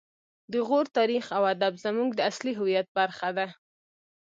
د غور تاریخ او ادب زموږ د اصلي هویت برخه ده